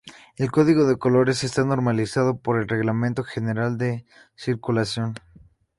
El código de colores está normalizado por el Reglamento General de Circulación.